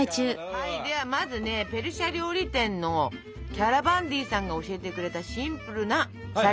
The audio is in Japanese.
はいではまずねペルシャ料理店のキャラバンディさんが教えてくれたシンプルなシャリバを作ろうと思います。